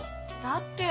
だって。